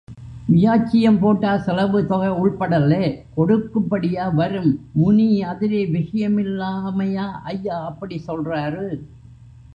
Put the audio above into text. வியாச்சியம் போட்டா செலவு தொகை உள்படல்லே கொடுக்கும்படியா வரும்... முனி அதுலே விஷயமில்லாமையா ஐயா அப்படிச் சொல்றாரு.